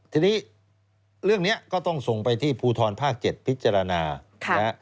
ทีนี้เรื่องนี้ก็ต้องส่งไปที่ภูทรภาค๗พิจารณานะฮะ